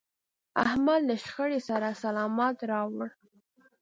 احمد له شخړې سر سلامت راوړ.